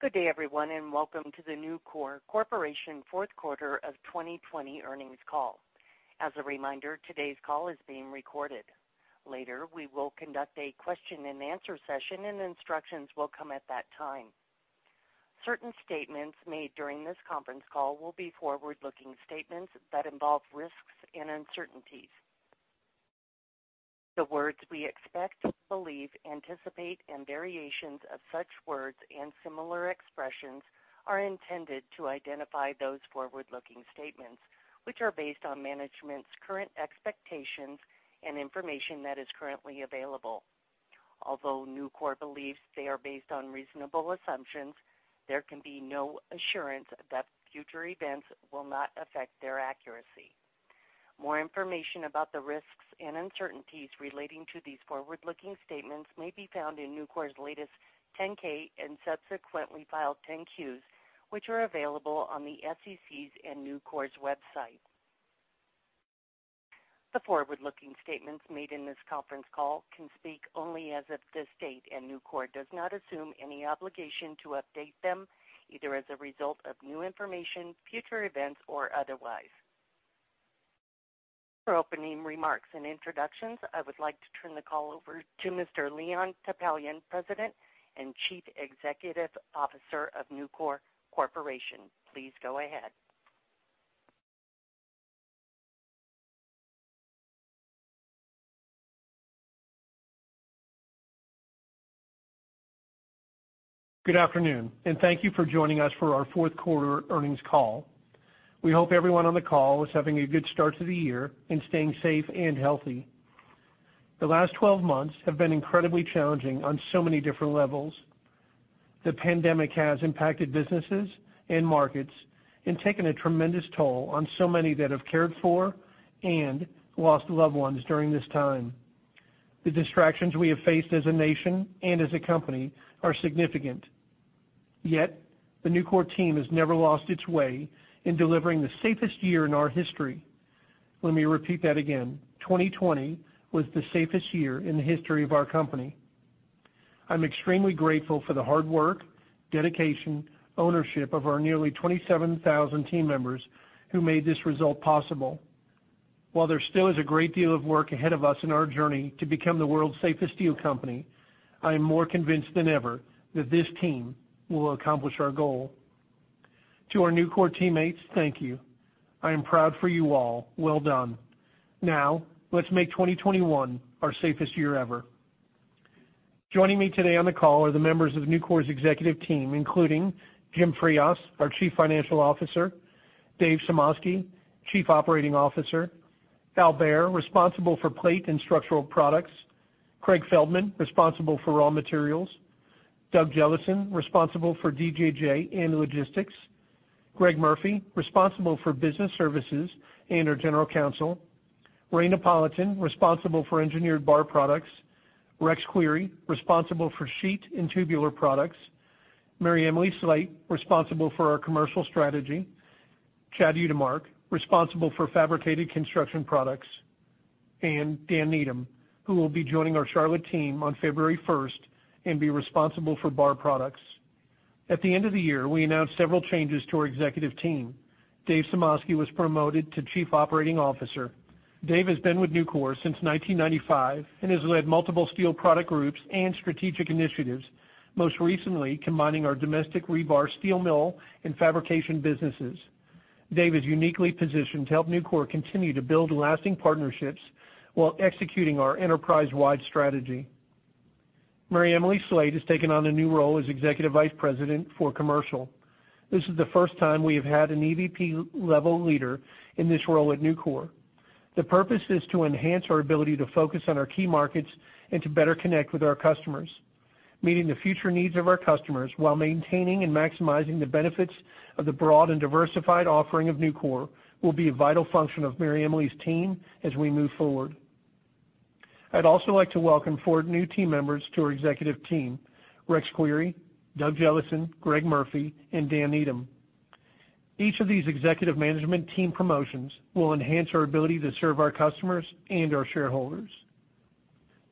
Good day, everyone, welcome to the Nucor Corporation fourth quarter of 2020 earnings call. As a reminder, today's call is being recorded. Later, we will conduct a question-and-answer session, and instructions will come at that time. Certain statements made during this conference call will be forward-looking statements that involve risks and uncertainties. The words we expect, believe, anticipate, and variations of such words and similar expressions are intended to identify those forward-looking statements, which are based on management's current expectations and information that is currently available. Although Nucor believes they are based on reasonable assumptions, there can be no assurance that future events will not affect their accuracy. More information about the risks and uncertainties relating to these forward-looking statements may be found in Nucor's latest 10-K and subsequently filed 10-Qs, which are available on the SEC's and Nucor's website. The forward-looking statements made in this conference call can speak only as of this date, and Nucor does not assume any obligation to update them, either as a result of new information, future events, or otherwise. For opening remarks and introductions, I would like to turn the call over to Mr. Leon Topalian, President and Chief Executive Officer of Nucor Corporation. Please go ahead. Good afternoon and thank you for joining us for our fourth quarter earnings call. We hope everyone on the call is having a good start to the year and staying safe and healthy. The last 12 months have been incredibly challenging on so many different levels. The pandemic has impacted businesses and markets and taken a tremendous toll on so many that have cared for and lost loved ones during this time. The distractions we have faced as a nation and as a company are significant. Yet, the Nucor team has never lost its way in delivering the safest year in our history. Let me repeat that again. 2020 was the safest year in the history of our company. I'm extremely grateful for the hard work, dedication, ownership of our nearly 27,000 team members who made this result possible. While there still is a great deal of work ahead of us in our journey to become the world's safest steel company, I am more convinced than ever that this team will accomplish our goal. To our Nucor teammates, thank you. I am proud for you all. Well done. Let's make 2021 our safest year ever. Joining me today on the call are the members of Nucor's executive team, including Jim Frias, our Chief Financial Officer, Dave Sumoski, Chief Operating Officer, Al Behr, responsible for plate and structural products, Craig Feldman, responsible for raw materials, Doug Jellison, responsible for DJJ and Logistics, Greg Murphy, responsible for business services and our General Counsel, Ray Napolitan, responsible for engineered bar products, Rex Query, responsible for sheet and tubular products, MaryEmily Slate, responsible for our commercial strategy, Chad Utermark, responsible for fabricated construction products, and Dan Needham, who will be joining our Charlotte team on February 1st and be responsible for bar products. At the end of the year, we announced several changes to our executive team. Dave Sumoski was promoted to Chief Operating Officer. Dave has been with Nucor since 1995 and has led multiple steel product groups and strategic initiatives, most recently combining our domestic rebar steel mill and fabrication businesses. Dave is uniquely positioned to help Nucor continue to build lasting partnerships while executing our enterprise-wide strategy. MaryEmily Slate has taken on a new role as Executive Vice President for Commercial. This is the first time we have had an EVP-level leader in this role at Nucor. The purpose is to enhance our ability to focus on our key markets and to better connect with our customers. Meeting the future needs of our customers while maintaining and maximizing the benefits of the broad and diversified offering of Nucor will be a vital function of MaryEmily's team as we move forward. I'd also like to welcome four new team members to our executive team, Rex Query, Doug Jellison, Greg Murphy, and Dan Needham. Each of these executive management team promotions will enhance our ability to serve our customers and our shareholders.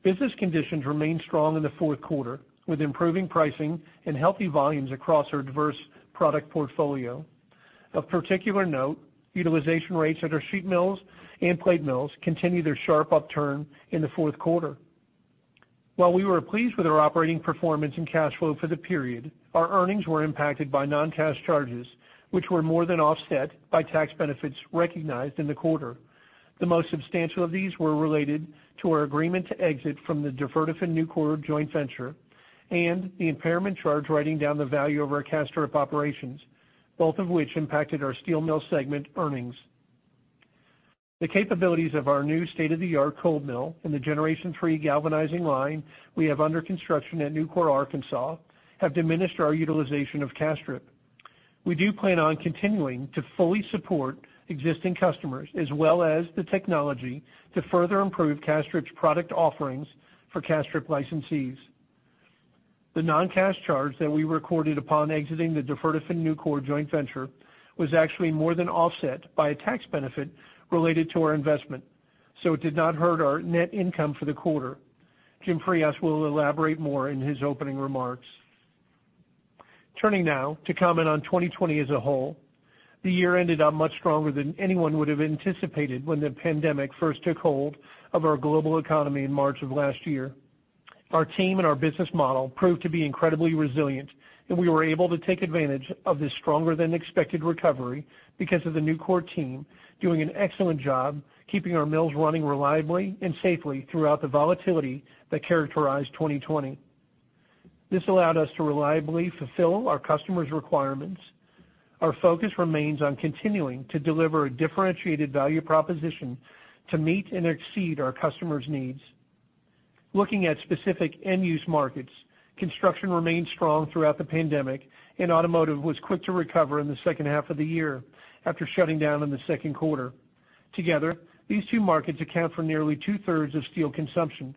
Business conditions remained strong in the fourth quarter, with improving pricing and healthy volumes across our diverse product portfolio. Of particular note, utilization rates at our sheet mills and plate mills continued their sharp upturn in the fourth quarter. While we were pleased with our operating performance and cash flow for the period, our earnings were impacted by non-cash charges, which were more than offset by tax benefits recognized in the quarter. The most substantial of these were related to our agreement to exit from the Duferdofin-Nucor joint venture and the impairment charge writing down the value of our Castrip operations, both of which impacted our steel mill segment earnings. The capabilities of our new state-of-the-art cold mill and the Gen 3 galvanizing line we have under construction at Nucor Steel Arkansas have diminished our utilization of Castrip. We do plan on continuing to fully support existing customers as well as the technology to further improve Castrip's product offerings for Castrip licensees. The non-cash charge that we recorded upon exiting the Duferdofin-Nucor joint venture was actually more than offset by a tax benefit related to our investment. It did not hurt our net income for the quarter. Jim Frias will elaborate more in his opening remarks. Turning now to comment on 2020 as a whole. The year ended up much stronger than anyone would have anticipated when the pandemic first took hold of our global economy in March of last year. Our team and our business model proved to be incredibly resilient, and we were able to take advantage of this stronger than expected recovery because of the Nucor team doing an excellent job keeping our mills running reliably and safely throughout the volatility that characterized 2020. This allowed us to reliably fulfill our customers' requirements. Our focus remains on continuing to deliver a differentiated value proposition to meet and exceed our customers' needs. Looking at specific end-use markets, construction remained strong throughout the pandemic, and automotive was quick to recover in the second half of the year after shutting down in the second quarter. Together, these two markets account for nearly 2/3 of steel consumption.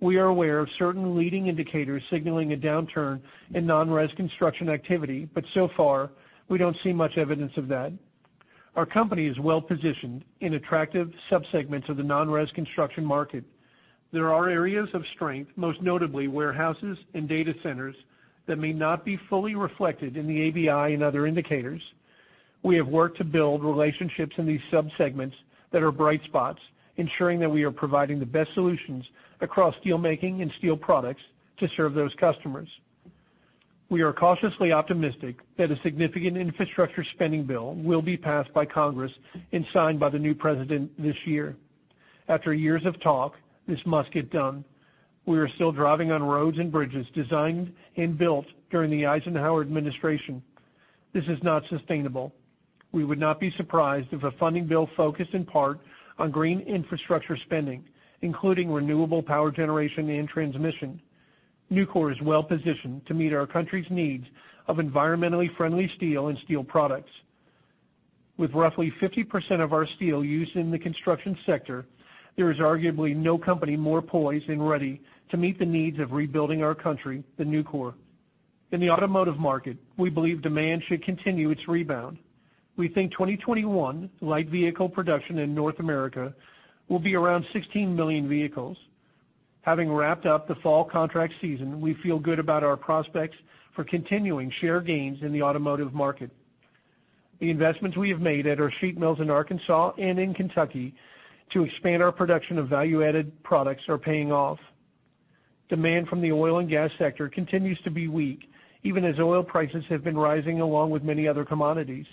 We are aware of certain leading indicators signaling a downturn in non-res construction activity, but so far, we don't see much evidence of that. Our company is well-positioned in attractive sub-segments of the non-res construction market. There are areas of strength, most notably warehouses and data centers, that may not be fully reflected in the ABI and other indicators. We have worked to build relationships in these sub-segments that are bright spots, ensuring that we are providing the best solutions across steelmaking and steel products to serve those customers. We are cautiously optimistic that a significant infrastructure spending bill will be passed by Congress and signed by the new president this year. After years of talk, this must get done. We are still driving on roads and bridges designed and built during the Eisenhower administration. This is not sustainable. We would not be surprised if a funding bill focused in part on green infrastructure spending, including renewable power generation and transmission. Nucor is well-positioned to meet our country's needs of environmentally friendly steel and steel products. With roughly 50% of our steel used in the construction sector, there is arguably no company more poised and ready to meet the needs of rebuilding our country than Nucor. In the automotive market, we believe demand should continue its rebound. We think 2021 light vehicle production in North America will be around 16 million vehicles. Having wrapped up the fall contract season, we feel good about our prospects for continuing share gains in the automotive market. The investments we have made at our sheet mills in Arkansas and in Kentucky to expand our production of value-added products are paying off. Demand from the oil and gas sector continues to be weak, even as oil prices have been rising along with many other commodities.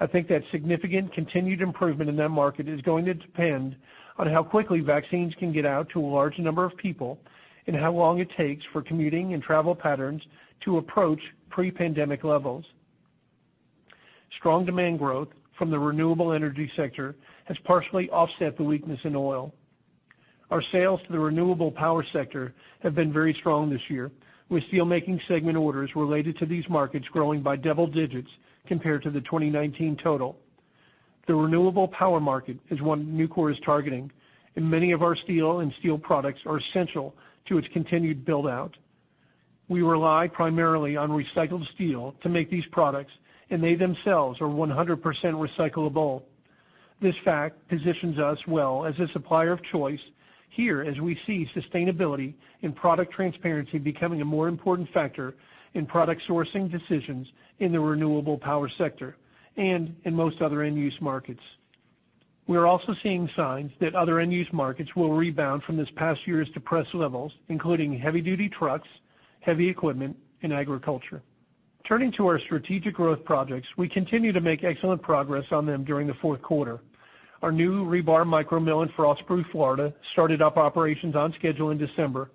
I think that significant continued improvement in that market is going to depend on how quickly vaccines can get out to a large number of people and how long it takes for commuting and travel patterns to approach pre-pandemic levels. Strong demand growth from the renewable energy sector has partially offset the weakness in oil. Our sales to the renewable power sector have been very strong this year, with steelmaking segment orders related to these markets growing by double digits compared to the 2019 total. The renewable power market is one Nucor is targeting, and many of our steel and steel products are essential to its continued build-out. We rely primarily on recycled steel to make these products, and they themselves are 100% recyclable. This fact positions us well as a supplier of choice here as we see sustainability and product transparency becoming a more important factor in product sourcing decisions in the renewable power sector and in most other end-use markets. We are also seeing signs that other end-use markets will rebound from this past year's depressed levels, including heavy-duty trucks, heavy equipment, and agriculture. Turning to our strategic growth projects, we continue to make excellent progress on them during the fourth quarter. Our new rebar micromill in Frostproof, Florida, started up operations on schedule in December.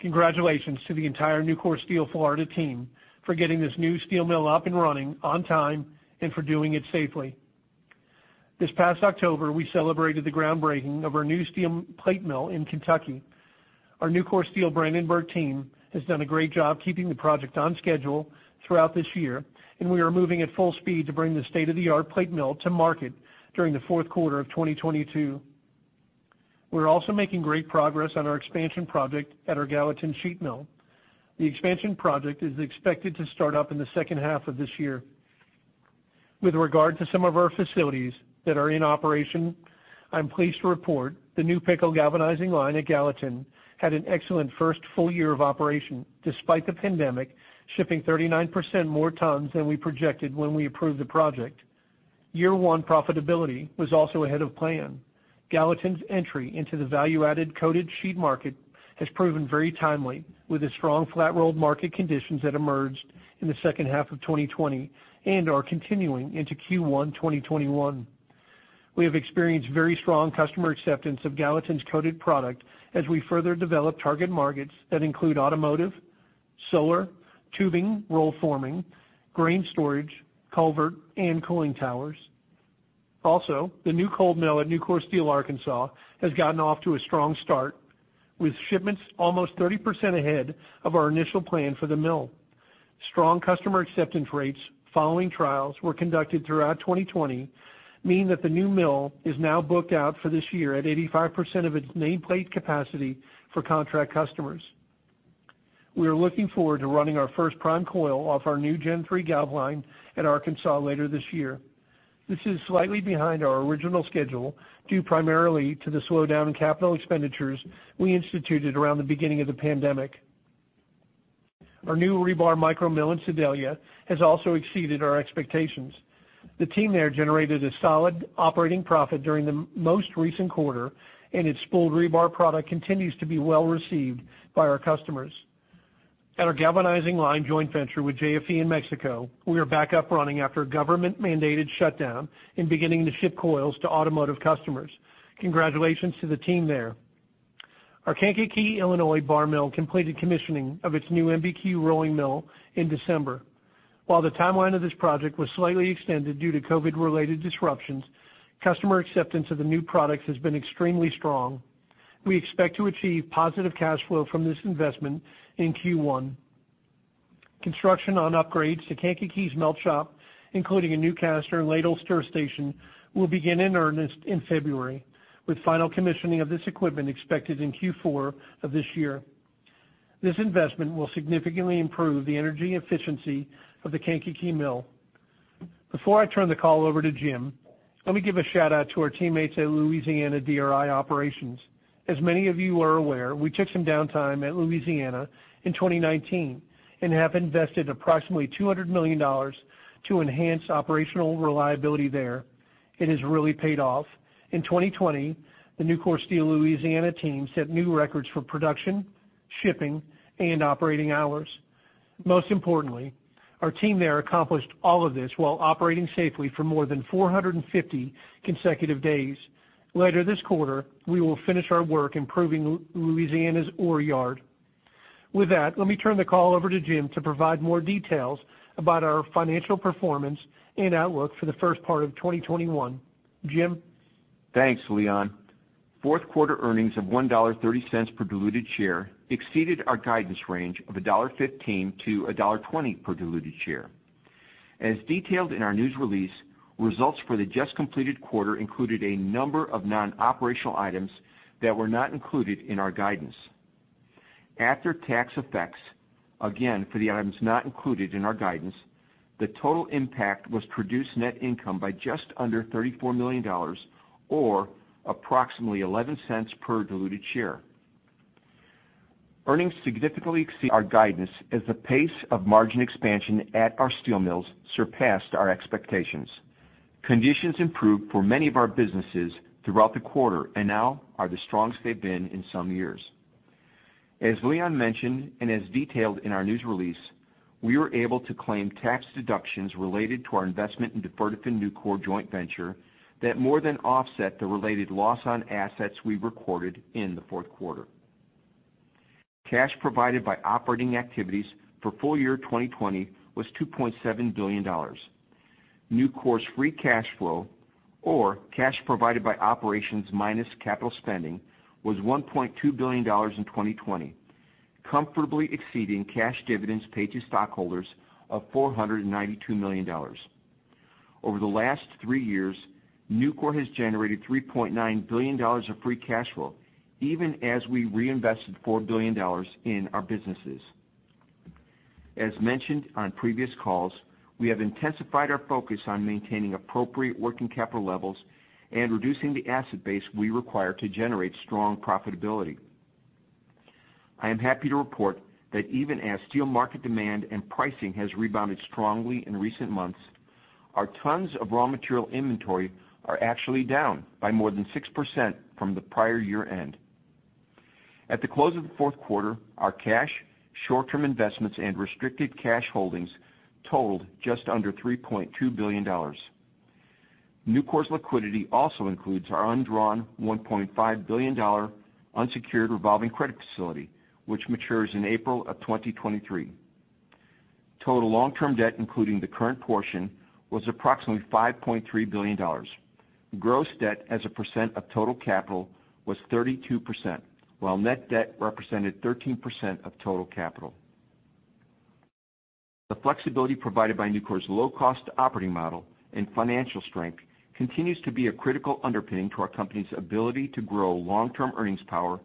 Congratulations to the entire Nucor Steel Florida team for getting this new steel mill up and running on time and for doing it safely. This past October, we celebrated the groundbreaking of our new steel plate mill in Kentucky. Our Nucor Steel Brandenburg team has done a great job keeping the project on schedule throughout this year, and we are moving at full speed to bring this state-of-the-art plate mill to market during the fourth quarter of 2022. We're also making great progress on our expansion project at our Gallatin sheet mill. The expansion project is expected to start up in the second half of this year. With regard to some of our facilities that are in operation, I'm pleased to report the new pickle galvanizing line at Gallatin had an excellent first full year of operation despite the pandemic, shipping 39% more tons than we projected when we approved the project. Year 1 profitability was also ahead of plan. Gallatin's entry into the value-added coated sheet market has proven very timely, with the strong flat rolled market conditions that emerged in the second half of 2020 and are continuing into Q1 2021. We have experienced very strong customer acceptance of Gallatin's coated product as we further develop target markets that include automotive, solar, tubing, roll forming, grain storage, culvert, and cooling towers. Also, the new cold mill at Nucor Steel Arkansas has gotten off to a strong start, with shipments almost 30% ahead of our initial plan for the mill. Strong customer acceptance rates following trials were conducted throughout 2020 mean that the new mill is now booked out for this year at 85% of its nameplate capacity for contract customers. We are looking forward to running our first prime coil off our new Gen 3 galv line in Arkansas later this year. This is slightly behind our original schedule, due primarily to the slowdown in capital expenditures we instituted around the beginning of the pandemic. Our new rebar micromill in Sedalia has also exceeded our expectations. The team there generated a solid operating profit during the most recent quarter, and its spooled rebar product continues to be well-received by our customers. At our galvanizing line joint venture with JFE in Mexico, we are back up running after a government-mandated shutdown and beginning to ship coils to automotive customers. Congratulations to the team there. Our Kankakee, Illinois, bar mill completed commissioning of its new MBQ rolling mill in December. While the timeline of this project was slightly extended due to COVID-related disruptions, customer acceptance of the new products has been extremely strong. We expect to achieve positive cash flow from this investment in Q1. Construction on upgrades to Kankakee's melt shop, including a new caster and ladle stir station, will begin in earnest in February, with final commissioning of this equipment expected in Q4 of this year. This investment will significantly improve the energy efficiency of the Kankakee mill. Before I turn the call over to Jim, let me give a shout-out to our teammates at Louisiana DRI Operations. As many of you are aware, we took some downtime at Louisiana in 2019 and have invested approximately $200 million to enhance operational reliability there. It has really paid off. In 2020, the Nucor Steel Louisiana team set new records for production, shipping, and operating hours. Most importantly, our team there accomplished all of this while operating safely for more than 450 consecutive days. Later this quarter, we will finish our work improving Louisiana's ore yard. With that, let me turn the call over to Jim to provide more details about our financial performance and outlook for the first part of 2021. Jim? Thanks, Leon. Fourth quarter earnings of $1.30 per diluted share exceeded our guidance range of $1.15-$1.20 per diluted share. As detailed in our news release, results for the just-completed quarter included a number of non-operational items that were not included in our guidance. After-tax effects, again, for the items not included in our guidance, the total impact was reduced net income by just under $34 million or approximately $0.11 per diluted share. Earnings significantly exceed our guidance as the pace of margin expansion at our steel mills surpassed our expectations. Conditions improved for many of our businesses throughout the quarter and now are the strongest they've been in some years. As Leon mentioned and as detailed in our news release, we were able to claim tax deductions related to our investment in the Duferdofin-Nucor joint venture that more than offset the related loss on assets we recorded in the fourth quarter. Cash provided by operating activities for full year 2020 was $2.7 billion. Nucor's free cash flow or cash provided by operations minus capital spending was $1.2 billion in 2020, comfortably exceeding cash dividends paid to stockholders of $492 million. Over the last three years, Nucor has generated $3.9 billion of free cash flow, even as we reinvested $4 billion in our businesses. As mentioned on previous calls, we have intensified our focus on maintaining appropriate working capital levels and reducing the asset base we require to generate strong profitability. I am happy to report that even as steel market demand and pricing has rebounded strongly in recent months, our tons of raw material inventory are actually down by more than 6% from the prior year-end. At the close of the fourth quarter, our cash, short-term investments, and restricted cash holdings totaled just under $3.2 billion. Nucor's liquidity also includes our undrawn $1.5 billion unsecured revolving credit facility, which matures in April of 2023. Total long-term debt, including the current portion, was approximately $5.3 billion. Gross debt as a percent of total capital was 32%, while net debt represented 13% of total capital. The flexibility provided by Nucor's low-cost operating model and financial strength continues to be a critical underpinning to our company's ability to grow long-term earnings power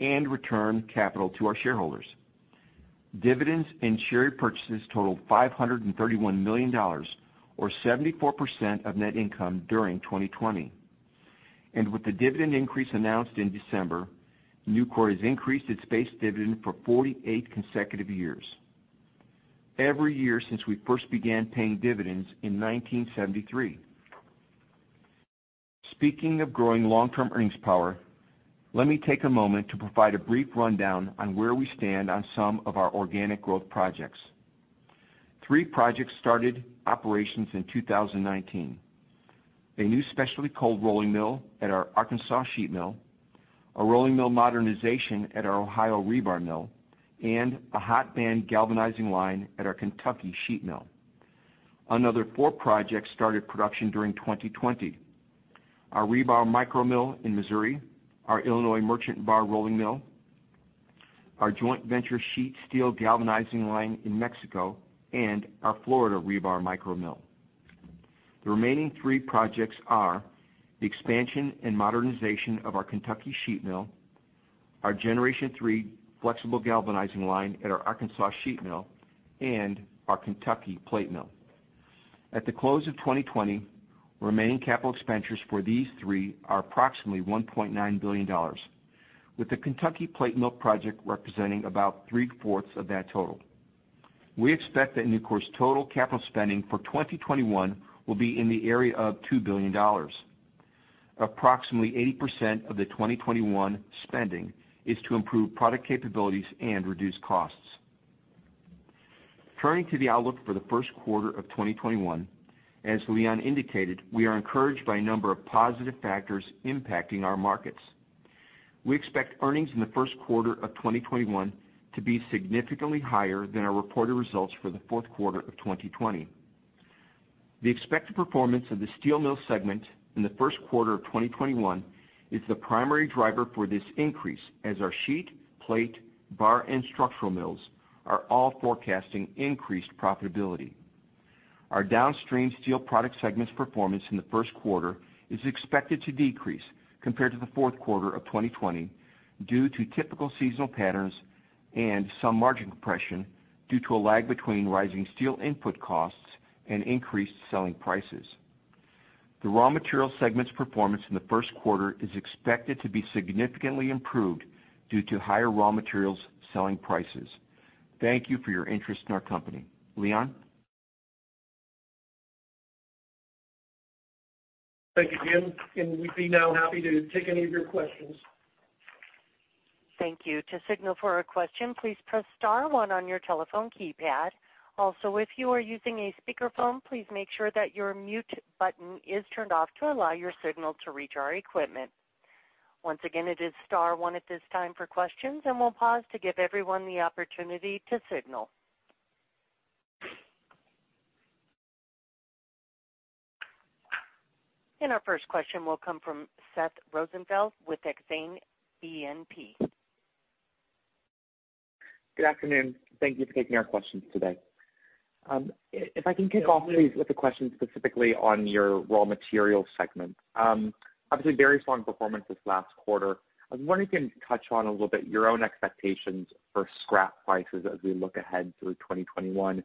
and return capital to our shareholders. Dividends and share purchases totaled $531 million, or 74% of net income during 2020. With the dividend increase announced in December, Nucor has increased its base dividend for 48 consecutive years. Every year since we first began paying dividends in 1973. Speaking of growing long-term earnings power, let me take a moment to provide a brief rundown on where we stand on some of our organic growth projects. Three projects started operations in 2019. A new specialty cold rolling mill at our Arkansas sheet mill, a rolling mill modernization at our Ohio rebar mill, and a hot band galvanizing line at our Kentucky sheet mill. Another four projects started production during 2020. Our rebar micromill in Missouri, our Illinois merchant bar rolling mill, our joint venture sheet steel galvanizing line in Mexico, and our Florida rebar micromill. The remaining three projects are the expansion and modernization of our Kentucky sheet mill, our Gen 3 flexible galvanizing line at our Arkansas sheet mill, and our Kentucky plate mill. At the close of 2020, remaining capital expenditures for these three are approximately $1.9 billion, with the Kentucky plate mill project representing about three-fourths of that total. We expect that Nucor's total capital spending for 2021 will be in the area of $2 billion. Approximately 80% of the 2021 spending is to improve product capabilities and reduce costs. Turning to the outlook for the first quarter of 2021, as Leon indicated, we are encouraged by a number of positive factors impacting our markets. We expect earnings in the first quarter of 2021 to be significantly higher than our reported results for the fourth quarter of 2020. The expected performance of the steel mill segment in the first quarter of 2021 is the primary driver for this increase as our sheet, plate, bar, and structural mills are all forecasting increased profitability. Our downstream steel product segment's performance in the first quarter is expected to decrease compared to the fourth quarter of 2020 due to typical seasonal patterns and some margin compression due to a lag between rising steel input costs and increased selling prices. The raw material segment's performance in the first quarter is expected to be significantly improved due to higher raw materials selling prices. Thank you for your interest in our company. Leon? Thank you, Jim. We'd be now happy to take any of your questions. Thank you. To signal for a question, please press star one on your telephone keypad. If you are using a speakerphone, please make sure that your mute button is turned off to allow your signal to reach our equipment. Once again, it is star one at this time for questions, and we'll pause to give everyone the opportunity to signal. Our first question will come from Seth Rosenfeld with Exane BNP. Good afternoon. Thank you for taking our questions today. If I can kick off, please, with a question specifically on your raw material segment. Obviously, very strong performance this last quarter. I was wondering if you can touch on a little bit your own expectations for scrap prices as we look ahead through 2021.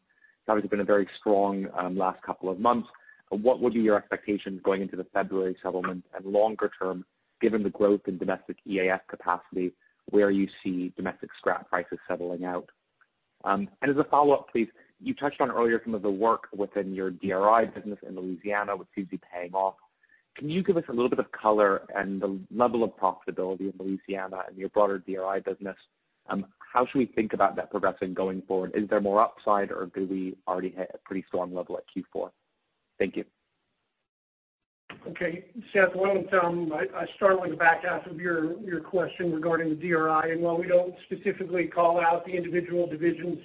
Obviously, been a very strong last couple of months. What would be your expectations going into the February settlement and longer term, given the growth in domestic EAF capacity, where you see domestic scrap prices settling out? As a follow-up, please, you touched on earlier some of the work within your DRI business in Louisiana, which seems to be paying off. Can you give us a little bit of color and the level of profitability in Louisiana and your broader DRI business? How should we think about that progressing going forward? Is there more upside, or do we already hit a pretty strong level at Q4? Thank you. Okay. Seth, why don't I start with the back half of your question regarding DRI. While we don't specifically call out the individual divisions'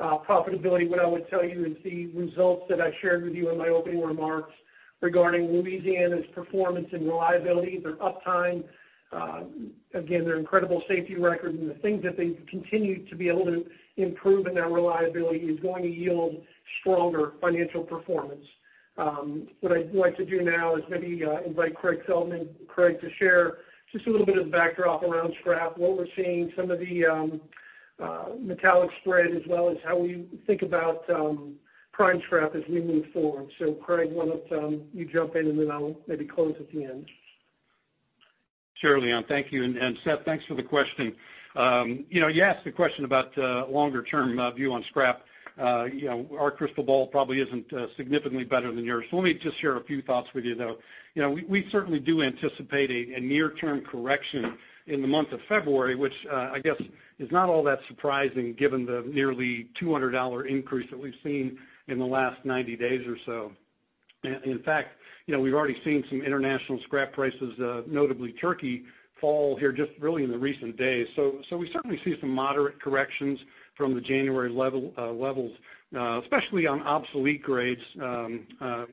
profitability, what I would tell you is the results that I shared with you in my opening remarks regarding Louisiana's performance and reliability, their uptime. Again, their incredible safety record and the things that they continue to be able to improve in their reliability is going to yield stronger financial performance. What I'd like to do now is maybe invite Craig Feldman. Craig, to share just a little bit of backdrop around scrap, what we're seeing, some of the metallic spread, as well as how we think about prime scrap as we move forward. Craig, why don't you jump in and then I'll maybe close at the end. Sure, Leon. Thank you. Seth, thanks for the question. You asked a question about longer-term view on scrap. Our crystal ball probably isn't significantly better than yours. Let me just share a few thoughts with you, though. We certainly do anticipate a near-term correction in the month of February, which I guess is not all that surprising given the nearly $200 increase that we've seen in the last 90 days or so. In fact, we've already seen some international scrap prices, notably Turkey, fall here just really in the recent days. We certainly see some moderate corrections from the January levels, especially on obsolete grades,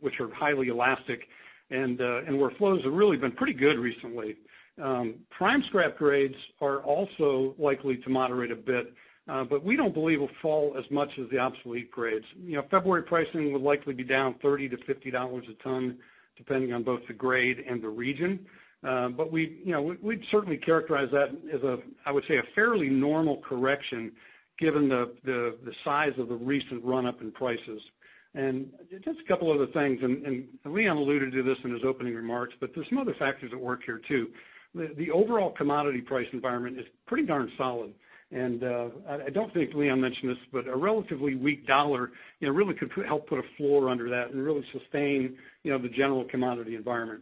which are highly elastic and where flows have really been pretty good recently. Prime scrap grades are also likely to moderate a bit, but we don't believe will fall as much as the obsolete grades. February pricing will likely be down $30-$50 a ton, depending on both the grade and the region. We'd certainly characterize that as, I would say, a fairly normal correction given the size of the recent run-up in prices. Just a couple other things, and Leon alluded to this in his opening remarks, but there are some other factors at work here, too. The overall commodity price environment is pretty darn solid. I don't think Leon mentioned this, but a relatively weak dollar really could help put a floor under that and really sustain the general commodity environment.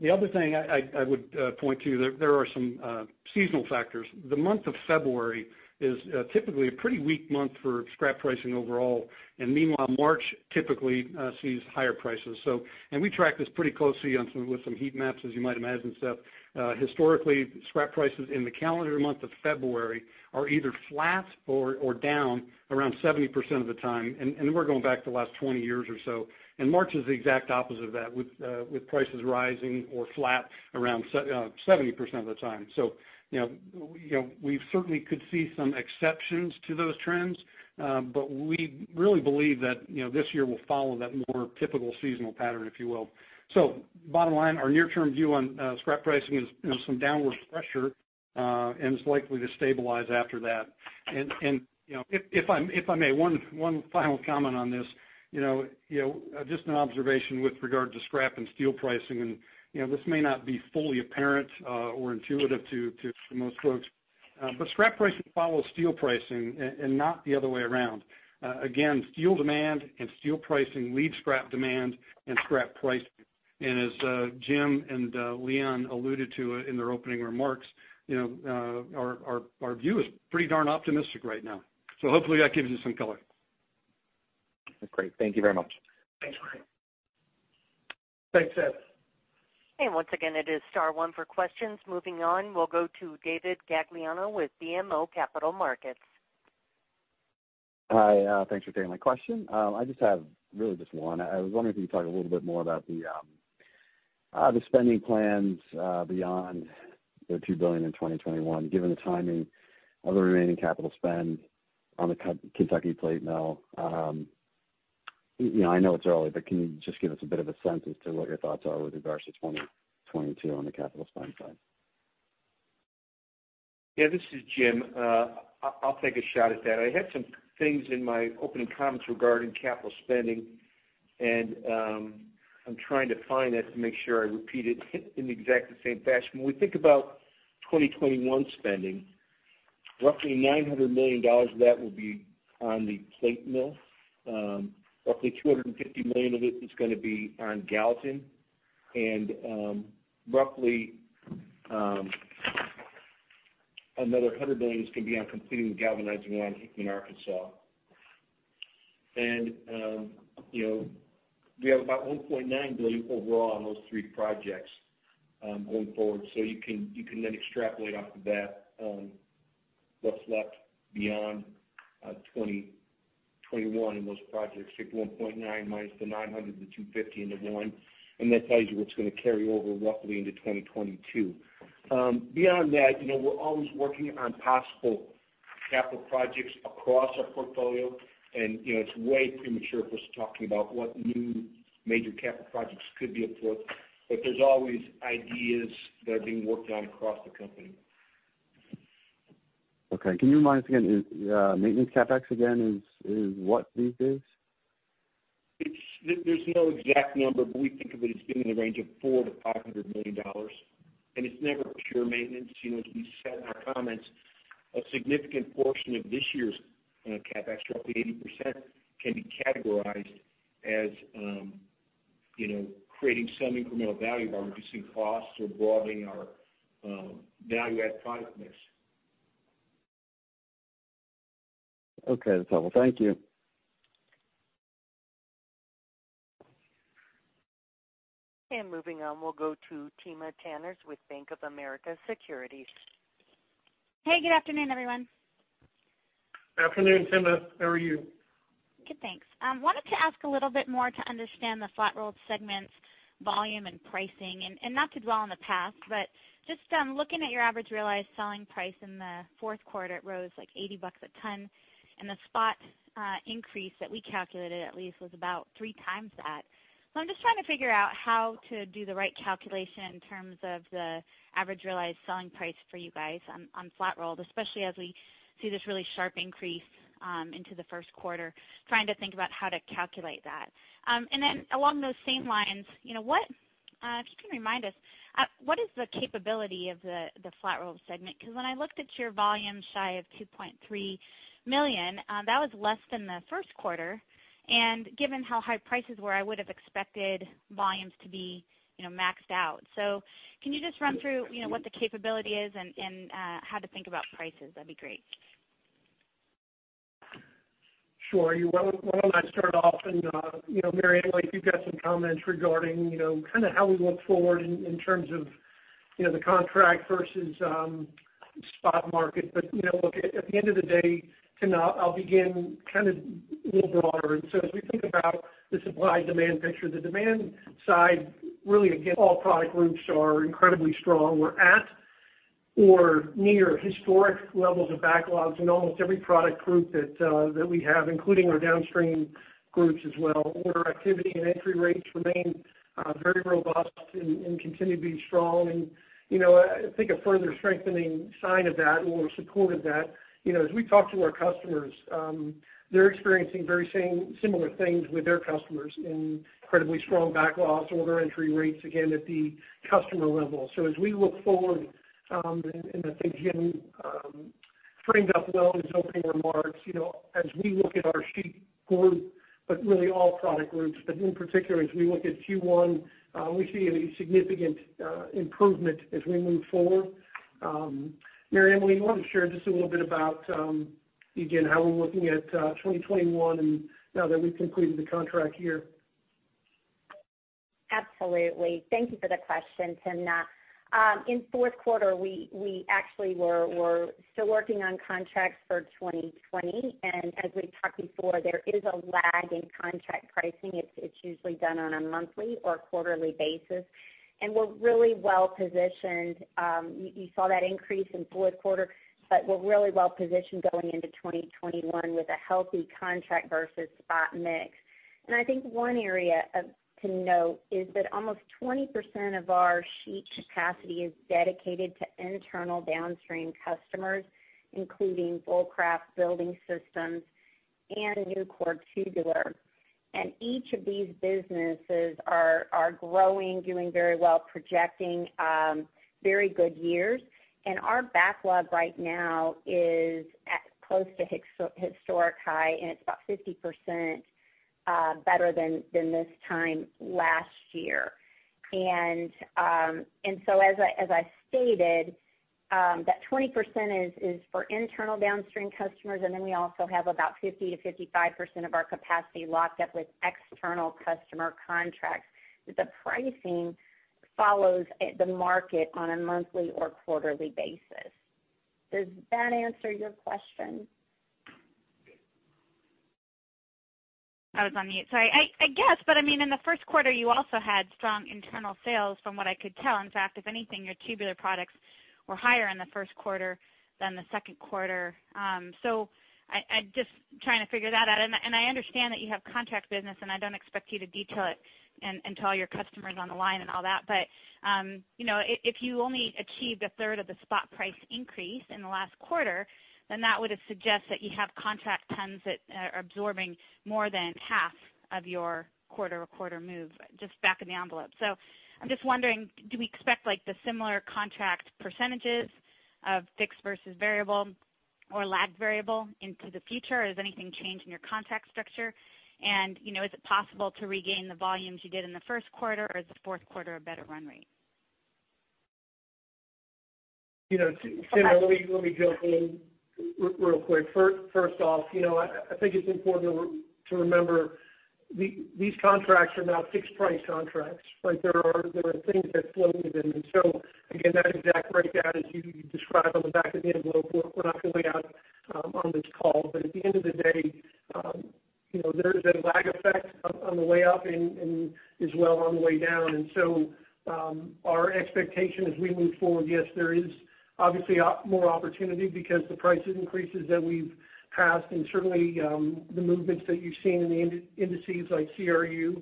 The other thing I would point to, there are some seasonal factors. The month of February is typically a pretty weak month for scrap pricing overall. Meanwhile, March typically sees higher prices. We track this pretty closely with some heat maps, as you might imagine, Seth. Historically, scrap prices in the calendar month of February are either flat or down around 70% of the time, and we're going back the last 20 years or so. March is the exact opposite of that with prices rising or flat around 70% of the time. We certainly could see some exceptions to those trends. We really believe that this year will follow that more typical seasonal pattern, if you will. Bottom line, our near-term view on scrap pricing is some downward pressure, and it's likely to stabilize after that. If I may, one final comment on this. Just an observation with regard to scrap and steel pricing, this may not be fully apparent or intuitive to most folks, scrap pricing follows steel pricing and not the other way around. Again, steel demand and steel pricing lead scrap demand and scrap pricing. As Jim and Leon alluded to in their opening remarks, our view is pretty darn optimistic right now. Hopefully that gives you some color. Great. Thank you very much. Thanks, Leon. Thanks, Seth. Once again, it is star one for questions. Moving on, we'll go to David Gagliano with BMO Capital Markets. Hi. Thanks for taking my question. I just have really just one. I was wondering if you could talk a little bit more about the spending plans beyond the $2 billion in 2021, given the timing of the remaining capital spend on the Kentucky plate mill. I know it's early, but can you just give us a bit of a sense as to what your thoughts are with regards to 2022 on the capital spend side? Yeah, this is Jim. I'll take a shot at that. I had some things in my opening comments regarding capital spending, and I'm trying to find that to make sure I repeat it in the exact same fashion. When we think about 2021 spending, roughly $900 million of that will be on the plate mill. Roughly $250 million of it is going to be on Gallatin. Roughly another $100 million is going to be on completing the galvanizing line in Hickman, Arkansas. We have about $1.9 billion overall on those three projects going forward. You can then extrapolate off of that what's left beyond 2021 in those projects. Take $1.9- the $900, the $250, and the $100, and that tells you what's going to carry over roughly into 2022. Beyond that, we're always working on possible capital projects across our portfolio. It's way premature for us to talk about what new major capital projects could be up for. There's always ideas that are being worked on across the company. Okay. Can you remind us again, maintenance CapEx again is what these days? There's no exact number, but we think of it as being in the range of $400 million-$500 million. It's never pure maintenance. As we said in our comments, a significant portion of this year's CapEx, roughly 80%, can be categorized as creating some incremental value by reducing costs or broadening our value-add product mix. Okay, that's helpful. Thank you. Moving on, we'll go to Timna Tanners with Bank of America Securities. Hey, good afternoon, everyone. Afternoon, Timna. How are you? Good, thanks. Wanted to ask a little bit more to understand the flat-rolled segment's volume and pricing, and not to dwell on the past, but just looking at your average realized selling price in the fourth quarter, it rose like $80 a ton, and the spot increase that we calculated at least was about 3x that. I'm just trying to figure out how to do the right calculation in terms of the average realized selling price for you guys on flat-rolled, especially as we see this really sharp increase into the first quarter, trying to think about how to calculate that. Along those same lines, if you can remind us, what is the capability of the flat-rolled segment? When I looked at your volume shy of $2.3 million, that was less than the first quarter, and given how high prices were, I would have expected volumes to be maxed out. Can you just run through what the capability is and how to think about prices? That would be great. Sure. Why don't I start off and, MaryEmily, if you've got some comments regarding kind of how we look forward in terms of the contract versus spot market. Look, at the end of the day, Timna, I'll begin kind of a little broader. As we think about the supply-demand picture, the demand side, really, again, all product groups are incredibly strong. We're at or near historic levels of backlogs in almost every product group that we have, including our downstream groups as well. Order activity and entry rates remain very robust and continue to be strong. I think a further strengthening sign of that or support of that, as we talk to our customers, they're experiencing very similar things with their customers in incredibly strong backlogs, order entry rates, again, at the customer level. As we look forward, and I think Jim framed up well in his opening remarks, as we look at our sheet group, but really all product groups, but in particular, as we look at Q1, we see a significant improvement as we move forward. MaryEmily, why don't you share just a little bit about, again, how we're looking at 2021 and now that we've completed the contract year? Absolutely. Thank you for the question, Timna. In the fourth quarter, we actually were still working on contracts for 2020. As we've talked before, there is a lag in contract pricing. It's usually done on a monthly or quarterly basis. We're really well-positioned. You saw that increase in the fourth quarter, but we're really well-positioned going into 2021 with a healthy contract versus spot mix. I think one area to note is that almost 20% of our sheet capacity is dedicated to internal downstream customers, including Vulcraft Building Systems and Nucor Tubular. Each of these businesses are growing, doing very well, projecting very good years. Our backlog right now is close to historic high, and it's about 50% better than this time last year. As I stated, that 20% is for internal downstream customers, then we also have about 50%-55% of our capacity locked up with external customer contracts. The pricing follows the market on a monthly or quarterly basis. Does that answer your question? I was on mute, sorry. In the first quarter, you also had strong internal sales from what I could tell. In fact, if anything, your tubular products were higher in the first quarter than the second quarter. I'm just trying to figure that out. I understand that you have contract business, and I don't expect you to detail it and tell your customers on the line and all that. If you only achieved a third of the spot price increase in the last quarter, then that would have suggested that you have contract tons that are absorbing more than half of your quarter-to-quarter move, just back of the envelope. I'm just wondering, do we expect the similar contract percentages of fixed versus variable or lagged variable into the future? Or has anything changed in your contract structure? Is it possible to regain the volumes you did in the first quarter, or is the fourth quarter a better run rate? Timna, let me jump in real quick. First off, I think it's important to remember, these contracts are not fixed-price contracts, right? There are things that float within them. Again, that exact breakdown, as you described on the back of the envelope, we're not going to lay out on this call. At the end of the day, there is a lag effect on the way up and as well on the way down. Our expectation as we move forward, yes, there is obviously more opportunity because the prices increases that we've passed and certainly the movements that you've seen in the indices like CRU,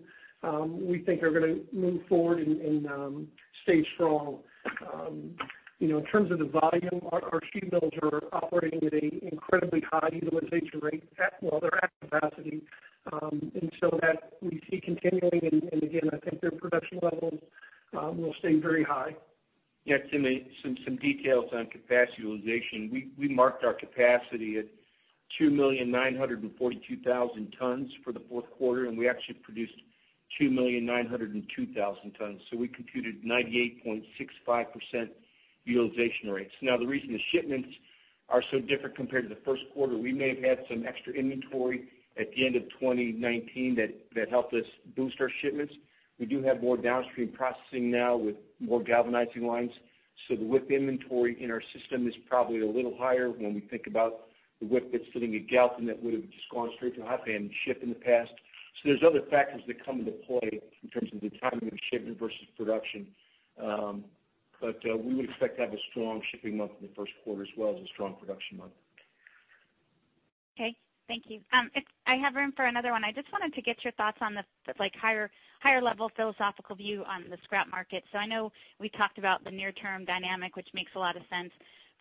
we think are going to move forward and stay strong. In terms of the volume, our sheet mills are operating at an incredibly high utilization rate. Well, they're at capacity. That we see continuing, and again, I think their production levels will stay very high. Yeah, Timna, some details on capacity utilization. We marked our capacity at 2,942,000 tons for the fourth quarter, and we actually produced 2,902,000 tons. We computed 98.65% utilization rates. Now, the reason the shipments are so different compared to the first quarter, we may have had some extra inventory at the end of 2019 that helped us boost our shipments. We do have more downstream processing now with more galvanizing lines. The WIP inventory in our system is probably a little higher when we think about the WIP that's sitting at Gallatin that would have just gone straight to hot band and shipped in the past. There's other factors that come into play in terms of the timing of shipment versus production. We would expect to have a strong shipping month in the first quarter as well as a strong production month. Okay. Thank you. I have room for another one. I just wanted to get your thoughts on the higher level philosophical view on the scrap market. I know we talked about the near-term dynamic, which makes a lot of sense.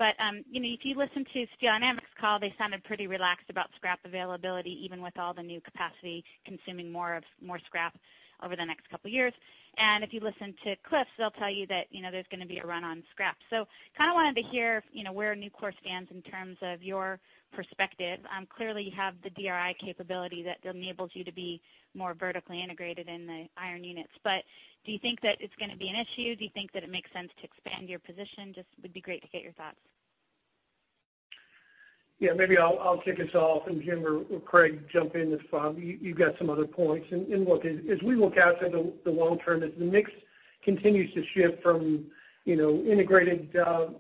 If you listen to Steel Dynamics' call, they sounded pretty relaxed about scrap availability, even with all the new capacity consuming more scrap over the next couple of years. If you listen to Cliffs, they'll tell you that there's going to be a run on scrap. Kind of wanted to hear where Nucor stands in terms of your perspective. Clearly, you have the DRI capability that enables you to be more vertically integrated in the iron units. Do you think that it's going to be an issue? Do you think that it makes sense to expand your position? Just would be great to get your thoughts. Yeah, maybe I'll kick us off, and Jim or Craig, jump in if you've got some other points. Look, as we look out to the long term, as the mix continues to shift from integrated